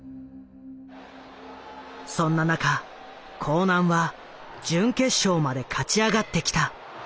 そんな中興南は準決勝まで勝ち上がってきた。